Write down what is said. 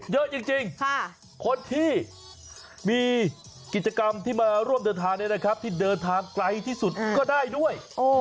เยอะจริงคนที่มีกิจกรรมที่มาร่วมเดินทางที่เดินทางไกลที่สุดก็ได้ด้วย